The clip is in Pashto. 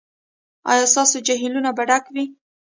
ایا ستاسو جهیلونه به ډک وي؟